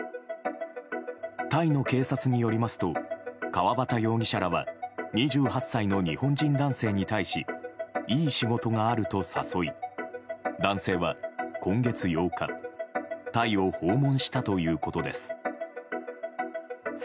タイの警察によりますと川端容疑者らは２８歳の日本人男性に対しいい仕事があると誘い男性は今月８日タイを訪問したということです。